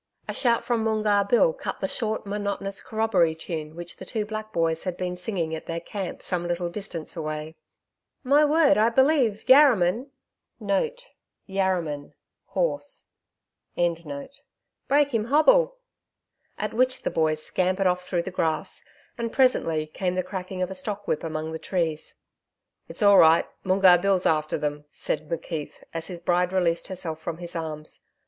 A shout from Moongarr Bill cut short the monotonous corroboree tune which the two black boys had been singing at their camp some little distance away. 'My word, I believe YARRAMAN* break him hobble!' [*Yarraman horse.] At which the boys scampered off through the grass, and presently came the cracking of a stock whip among the trees. 'It's all right, Moongarr Bill's after them,' said McKeith, as his bride released herself from his arms.